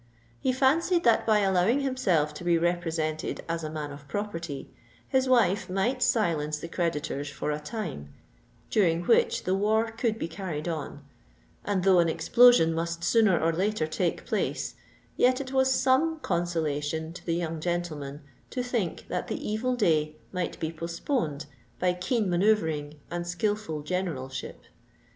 He fancied that by allowing himself to be represented as a man of property his wife might silence the creditors for a time, during which the war could be carried on; and though an explosion must sooner or later take place, yet it was some consolation to the young gentleman to think that the evil day might be postponed by keen manœuvring and skilful generalship.